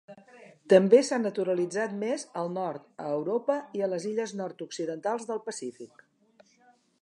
També s'ha naturalitzat més al nord a Europa i a les illes nord-occidentals del Pacífic.